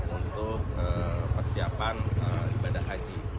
untuk persiapan ibadah haji